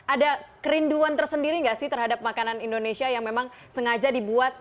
ada kerinduan tersendiri nggak sih terhadap makanan indonesia yang memang sengaja dibuat